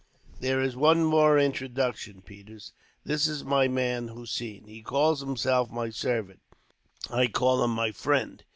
"There is one more introduction, Peters. This is my man, Hossein. He calls himself my servant. I call him my friend.